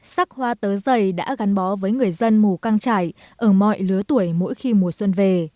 sắc hoa tớ dày đã gắn bó với người dân mù căng trải ở mọi lứa tuổi mỗi khi mùa xuân về